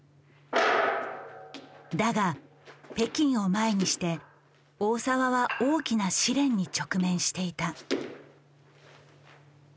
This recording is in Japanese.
だが北京を前にして大澤は大きな試練に直面していた。